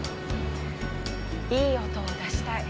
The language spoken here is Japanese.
いい音を出したい。